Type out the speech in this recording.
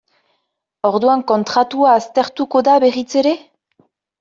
Orduan kontratua aztertuko da berriz ere?